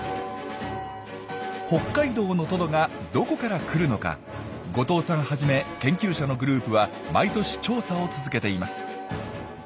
北海道のトドがどこから来るのか後藤さんはじめ研究者のグループは毎年調査を続けています。